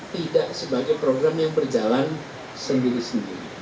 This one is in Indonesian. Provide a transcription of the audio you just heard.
tidak sebagai program yang berjalan sendiri sendiri